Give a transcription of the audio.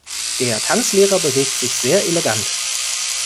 Der Tanzlehrer bewegt sich sehr elegant.